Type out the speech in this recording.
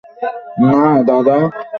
না, দাদা।